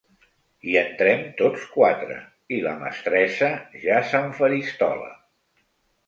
Hi entrem tots quatre i la mestressa ja s'enfaristola.